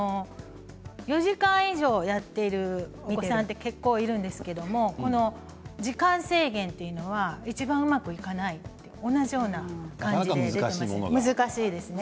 ４時間以上やっているお子さんって結構いるんですけど時間制限というのはいちばんうまくいかないと同じような感じで難しいですね。